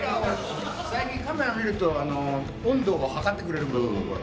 最近カメラ見ると温度を測ってくれる。